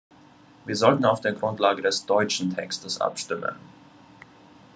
Wir sollten auf der Grundlage des deutschen Textes abstimmen.